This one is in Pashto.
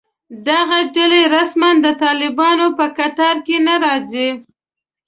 دغه ډلې رسماً د طالبانو په کتار کې نه راځي